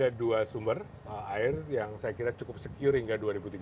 ada dua sumber air yang saya kira cukup secure hingga dua ribu tiga puluh